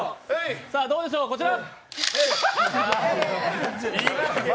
どうでしょう、こちら！